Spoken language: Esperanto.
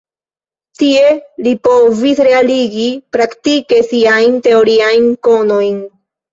Tie li povis realigi praktike siajn teoriajn konojn.